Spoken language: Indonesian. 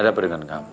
ada apa dengan kamu